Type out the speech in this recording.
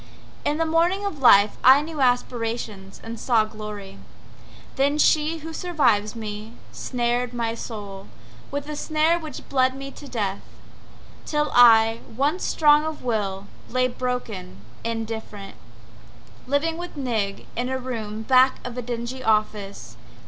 In the morning of life I knew aspiration and saw glory, The she, who survives me, snared my soul With a snare which bled me to death, Till I, once strong of will, lay broken, indifferent, Living with Nig in a room back of a dingy office.